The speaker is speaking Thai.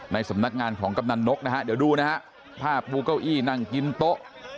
สำนักงานของกำนันนกนะฮะเดี๋ยวดูนะฮะภาพบูเก้าอี้นั่งกินโต๊ะ